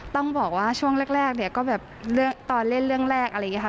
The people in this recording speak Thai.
ต้องบอกว่าช่วงแรกเนี่ยก็แบบตอนเล่นเรื่องแรกอะไรอย่างนี้ค่ะ